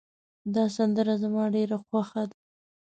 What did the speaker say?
دا سندره زما ډېره خوښه ده